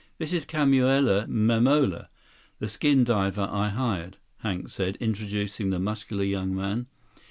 "This is Kamuela Mamola, the skin diver I hired," Hank said, introducing the muscular young man.